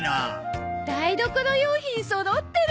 台所用品そろってる！